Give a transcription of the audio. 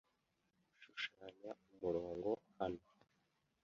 Shushanya umurongo hano.